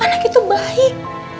anak itu baik